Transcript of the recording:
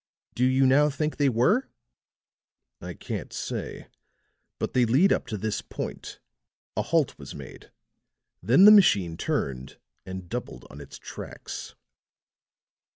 "Do you now think they were?" "I can't say. But they lead up to this point. A halt was made, then the machine turned and doubled on its tracks."